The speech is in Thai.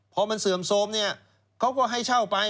พอมันเสื่อมโซมเขาก็ให้เช่าไป